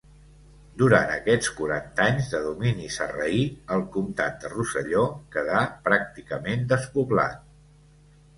Durant aquests quaranta anys de domini sarraí, el comtat de Rosselló quedà pràcticament despoblat.